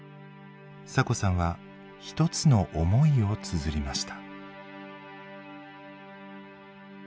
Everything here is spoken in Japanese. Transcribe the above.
サコさんは一つの思いをつづりました。